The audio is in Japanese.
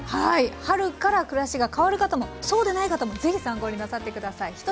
はい春から暮らしが変わる方もそうでない方もぜひ参考になさって下さい。